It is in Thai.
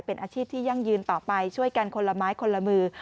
เป็นอาชีพที่ยั่งยืนต่อไปช่วยกันคนละไม้คนละมือ